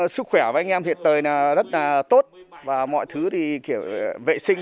sức khỏe của anh em hiện thời rất tốt mọi thứ vệ sinh